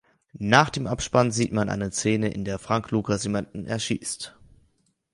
Nach dem Abspann sieht man eine Szene, in der Frank Lucas jemanden erschießt.